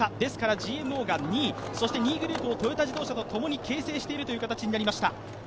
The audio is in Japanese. ＧＭＯが２位、２位グループをトヨタ自動車とともに形成している形になりました。